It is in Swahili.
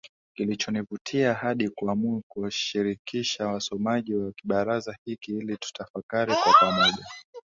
Kilichonivutia hadi kuamua kuwashirkikisha wasomaji wa kibaraza hiki ili tutafakari kwa pamoja